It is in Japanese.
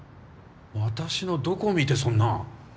私のどこを見てそんな。